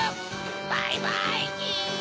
バイバイキン！